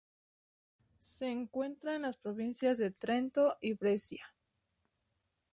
Se encuentra en las provincias de Trento y Brescia.